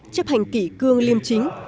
chấp hành kỷ cương liêm chính